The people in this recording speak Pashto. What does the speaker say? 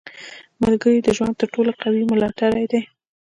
• ملګری د ژوند تر ټولو قوي ملاتړی دی.